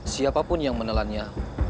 siapapun yang menelannya